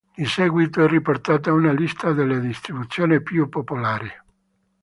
Di seguito è riportata una lista delle distribuzioni più popolari.